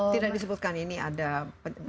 tidak disebutkan ini ada